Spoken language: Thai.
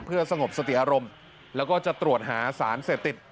เพื่อสงบสติอารมณ์แล้วก็จะตรวจหาสารเสพติด